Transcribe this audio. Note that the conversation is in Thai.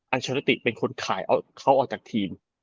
อัชรติเป็นคนขายเขาออกจากทีม